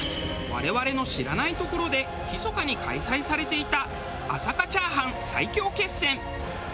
我々の知らないところでひそかに開催されていた朝霞チャーハン最強決戦。